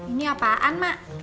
ini apaan mak